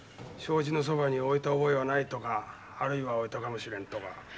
障子のそばに置いた覚えはないとかあるいは置いたかもしれんとか。